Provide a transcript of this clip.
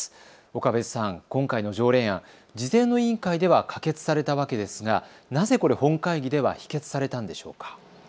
岡部さん、今回の条例案、事前の委員会では可決されたわけですがなぜこれ、本会議では否決されたんでしょうか。